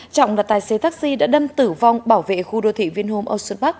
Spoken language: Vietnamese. trọng là tài xế taxi đã đâm tử vong bảo vệ khu đô thị viên hôm âu xuân bắc